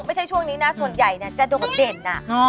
ไม่ใช่ช่วงนี้นะส่วนใหญ่ค่ะจะโดดเด่นอ้าว